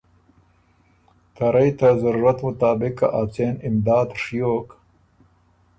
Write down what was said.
ته رئ ته ضرورت مطابق که ا څېن امداد ڒیوک